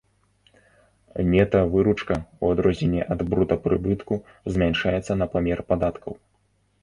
Нета-выручка, у адрозненне ад брута-прыбытку, змяншаецца на памер падаткаў.